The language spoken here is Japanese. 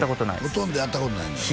ほとんどやったことないねやろ